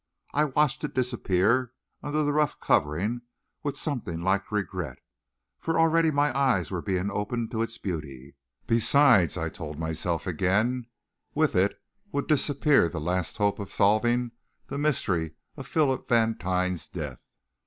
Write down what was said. I watched it disappear under the rough covering with something like regret, for already my eyes were being opened to its beauty. Besides, I told myself again, with it would disappear the last hope of solving the mystery of Philip Vantine's death.